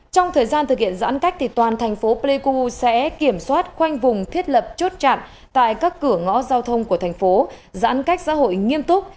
trong thời gian thực hiện giãn cách toàn thành phố pleiku sẽ kiểm soát khoanh vùng thiết lập chốt chặn tại các cửa ngõ giao thông của thành phố giãn cách xã hội nghiêm túc